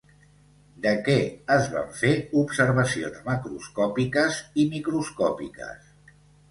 De què es van fer observacions macroscòpiques i microscòpiques?